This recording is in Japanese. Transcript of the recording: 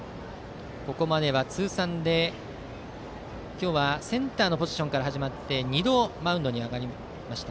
ここまでは通算で今日はセンターのポジションから始まり２度、マウンドに上がりました。